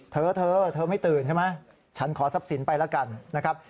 เธอเธอไม่ตื่นใช่ไหมฉันขอทรัพย์สินไปแล้วกันนะครับ